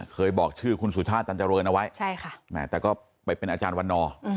เคยบอกชื่อคุณสุธาตรรจรวรณเอาไว้แต่ก็ไปเป็นอาจารย์วันน